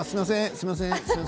すいません。